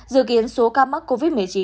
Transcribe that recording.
dự kiến số ca mắc covid một mươi chín